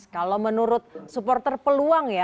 kalau menurut supporter peluang ya